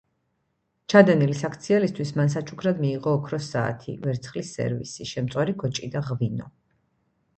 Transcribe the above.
ჩადენილი საქციელისთვის მან საჩუქრად მიიღო ოქროს საათი, ვერცხლის სერვისი, შემწვარი გოჭი და ღვინო.